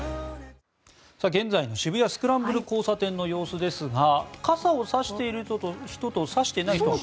現在の渋谷・スクランブル交差点の様子ですが傘を差している人と差していない人が